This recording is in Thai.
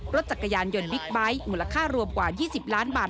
รถจักรยานยนต์บิ๊กไบท์มูลค่ารวมกว่า๒๐ล้านบาท